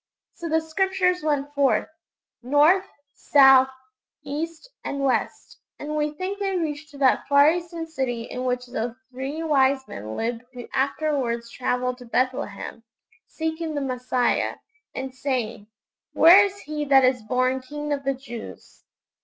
So the Scriptures went forth, north, south, east, and west, and we think they reached to that far eastern city in which those three wise men lived who afterwards travelled to Bethlehem, seeking the Messiah, and saying, '_Where is He that is born King of the Jews?